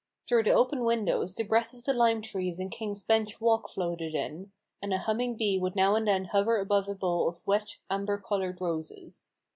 Through the open windows the breath of the lime trees in King's Bench Walk floated in, and a humming bee would now and then hover above a bowl of wet, amber coloured roses.